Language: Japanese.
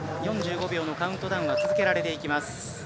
４５秒のカウントダウンは続けられていきます。